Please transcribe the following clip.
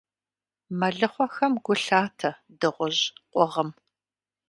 Мэлыхъуэхэм гу лъатэ дыгъужь къугъым.